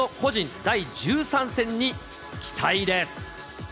第１３戦に期待です。